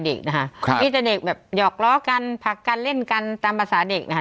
เด็กน่ะครับแต่เด็กแบบหยอกเร้อกันผลักกันเล่นกันตามภาษา